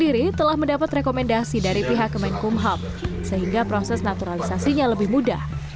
dia sudah juga mendapat rekomendasi dari pihak kemenkum hub sehingga proses naturalisasi lebih mudah